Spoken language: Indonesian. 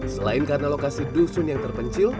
selain karena lokasi dusun yang terpencil